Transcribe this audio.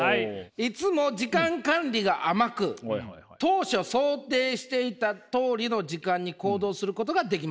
「いつも時間管理が甘く当初想定していたとおりの時間に行動することができません。